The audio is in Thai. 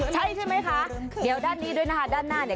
ใช่ใช่ไหมคะเดี๋ยวด้านนี้ด้วยนะคะด้านหน้าเนี่ย